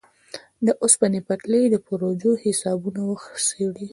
د اوسپنې پټلۍ د پروژو حسابونه وڅېړي.